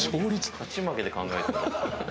勝ち負けで考えている。